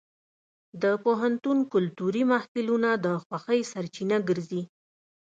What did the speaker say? د پوهنتون کلتوري محفلونه د خوښۍ سرچینه ګرځي.